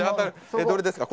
どれですか？